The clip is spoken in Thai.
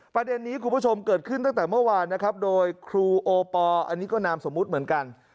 ประเด็นนี้คุณผู้ชมเกิดขึ้นตั้งแต่เมื่อวานนะครับโดยครูโอปอลอันนี้ก็นามสมมุติเหมือนกัน